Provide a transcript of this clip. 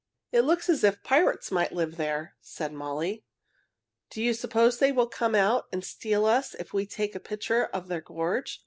"It looks as if pirates might live there," said Molly. "Do you suppose they will come out and steal us if we take a picture of their gorge?